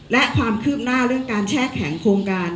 และความคืบหน้าเรื่องการแช่แข็งโครงการ